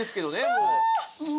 もう。